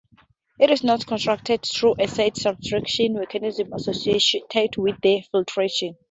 It's not constructed through a set subtraction mechanism associated with the filtration.